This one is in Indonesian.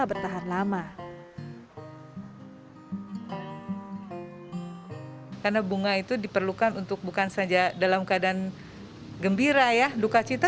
bertahan lama karena bunga itu diperlukan untuk bukan saja dalam keadaan gembira ya duka cita